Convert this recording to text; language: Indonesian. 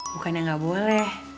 bukannya gak boleh